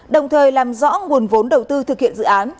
đồng thời làm rõ nguồn vốn đầu tư thực hiện dự án